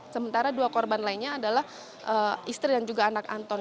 sementara dua korban lainnya adalah istri dan juga anak anton